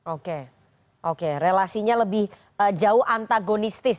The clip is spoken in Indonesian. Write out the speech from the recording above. oke oke relasinya lebih jauh antagonistis